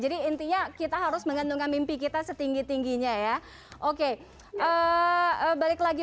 jadi intinya kita harus mengandungkan mimpi kita setinggi tingginya ya oke balik lagi